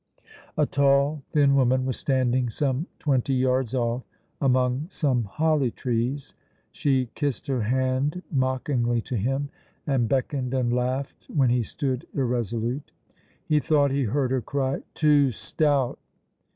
A tall, thin woman was standing some twenty yards off, among some holly trees. She kissed her hand mockingly to him, and beckoned and laughed when he stood irresolute. He thought he heard her cry, "Too stout!"